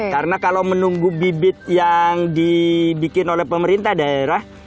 karena kalau menunggu bibit yang dibikin oleh pemerintah daerah